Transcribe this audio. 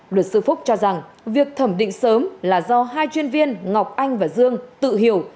luật sư phúc cho rằng việc thẩm định sớm là do hai chuyên viên ngọc anh và dương tự hiểu